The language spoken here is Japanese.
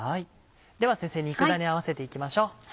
では先生肉だね合わせていきましょう。